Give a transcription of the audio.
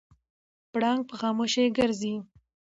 پړانګ په خاموشۍ ګرځي.